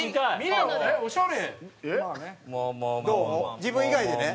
自分以外でね。